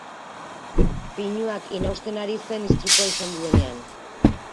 Pinuak inausten ari zen istripua izan duenean.